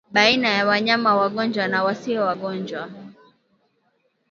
baina ya wanyama wagonjwa na wasio wagonjwa